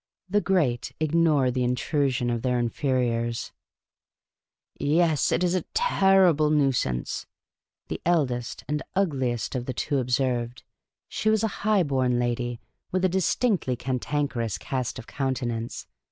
The great ignore the intrusion of their inferiors. " Yes, it 's a terrible nuisance," the eldest and ugliest of the two observed — she was a high born lady, with a dis tinctly cantankerous cast of countenance.